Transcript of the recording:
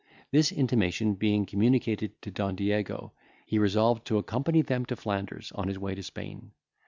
This intimation being communicated to Don Diego, he resolved to accompany them to Flanders, on his way to Spain.